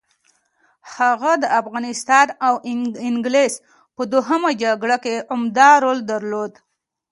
هغه د افغانستان او انګلیس په دوهم جنګ کې عمده رول درلود.